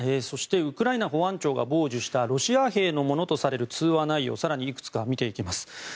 そしてウクライナ保安庁が傍受したロシア兵のものとされる通話内容を更にいくつか見ていきます。